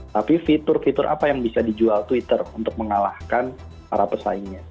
tapi fitur fitur apa yang bisa dijual twitter untuk mengalahkan para pesaingnya